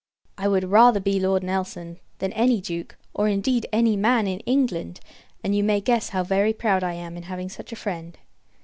I would rather be Lord Nelson, than any Duke or, indeed, any man in England; and you may guess how very proud I am in having such a friend.